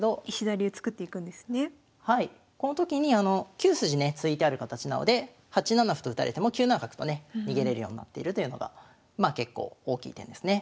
この時に９筋ね突いてある形なので８七歩と打たれても９七角とね逃げれるようになっているというのが結構大きい点ですね。